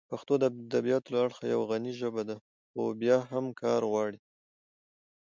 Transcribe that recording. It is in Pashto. پښتو د ادبیاتو له اړخه یوه غني ژبه ده، خو بیا هم کار غواړي.